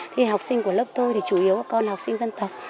thì học sinh của lớp tôi thì chủ yếu là con học sinh dân tộc